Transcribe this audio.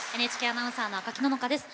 ＮＨＫアナウンサーの赤木野々花です。